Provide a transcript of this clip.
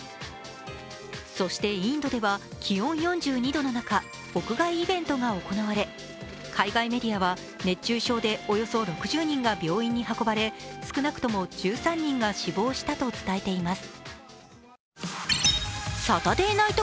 そして、インドでは気温４２度の中屋外イベントが行われ海外メディアは、熱中症でおよそ６０人が病院に運ばれ少なくとも１３人が死亡したと伝えています。